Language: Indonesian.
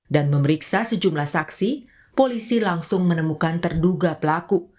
dan memeriksa sejumlah saksi polisi langsung menemukan terduga pelaku